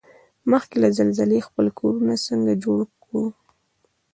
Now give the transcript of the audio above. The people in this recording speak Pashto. مخکې له زلزلې خپل کورنه څنګه جوړ کوړو؟